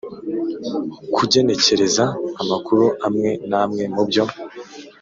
kugenekereza amakuru amwe n amwe mu byo